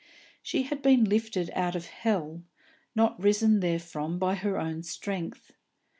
She had been lifted out of hell, not risen therefrom by her own strength.